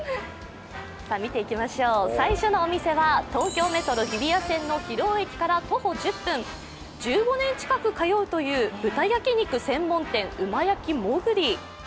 最初のお店は東京メトロ日比谷線の広尾駅から徒歩１０分、１５年近く通うという豚焼き肉専門店・旨焼もぐり。